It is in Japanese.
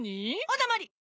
おだまり！